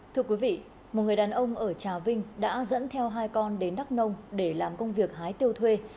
thưa quý vị một người đàn ông ở trà vinh đã dẫn theo hai con đến đắk nông để làm công việc hái tiêu thuê